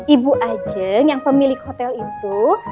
ibu ajeng yang pemilik hotel itu